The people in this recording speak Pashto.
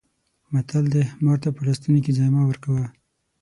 متل دی: مار ته په لستوڼي کې ځای مه ورکوه.